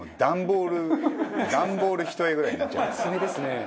段ボール一重ぐらいになっちゃいますね。